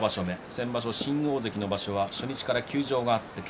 先場所、新大関の場所は初日から休場がありました。